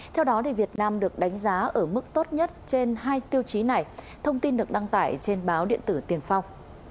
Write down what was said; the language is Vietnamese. theo đó việt nam được đánh giá ở mức tốt nhất trên hai tiêu chí này thông tin được đăng tải trên báo điện tử tiền phong